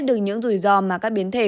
được những rủi ro mà các biến thể